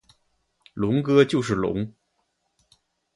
龙哥就是龙！